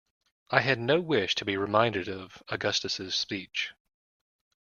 I had no wish to be reminded of Augustus's speech.